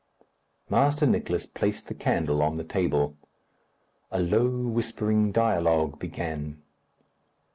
Master Nicless placed the candle on the table. A low whispering dialogue began.